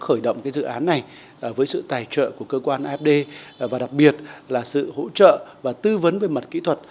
khởi động dự án này với sự tài trợ của cơ quan afd và đặc biệt là sự hỗ trợ và tư vấn về mặt kỹ thuật